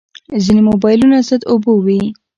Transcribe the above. ځینې موبایلونه ضد اوبو وي.